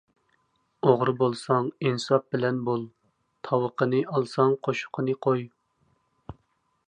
ئوغرى بولساڭ ئىنساپ بىلەن بول، تاۋىقىنى ئالساڭ قوشۇقىنى قوي.